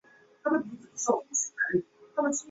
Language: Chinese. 故也是可应用于深紫外线光电子学的半导体物料。